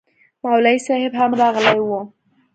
مولوي صاحب هم راغلی و